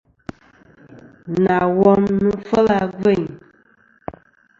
Nà wom nɨ̀n fêl a gvêyn.